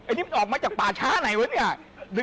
อันนี้มันออกมาจากป่าช้าไหนวะเนี่ย